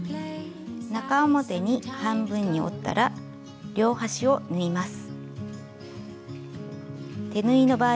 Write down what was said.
中表に半分に折ったら両端を縫います。